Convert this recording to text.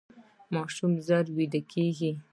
ماشوم ژر ویده کیږي.